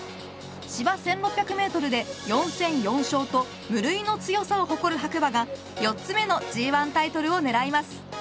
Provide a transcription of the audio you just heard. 芝１６００メートルで４戦４勝と無類の強さを誇る白馬が４つ目のＧ１タイトルを狙います。